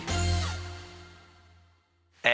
え